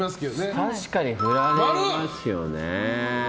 確かに振られますよね。